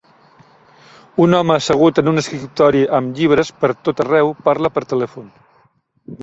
Un home assegut en un escriptori amb llibres per tot arreu parla per telèfon.